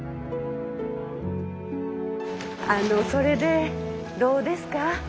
あのそれでどうですか？